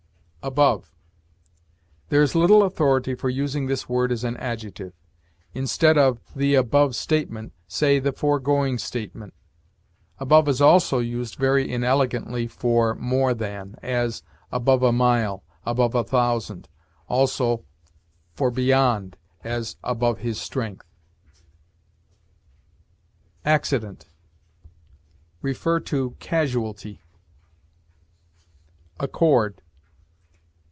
ABOVE. There is little authority for using this word as an adjective. Instead of, "the above statement," say, "the foregoing statement." Above is also used very inelegantly for more than; as, "above a mile," "above a thousand"; also, for beyond; as, "above his strength." ACCIDENT. See CASUALTY. ACCORD.